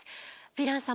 ヴィラン様